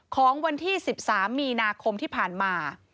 ของวันที่๑๓มีนาคมที่ผ่านมา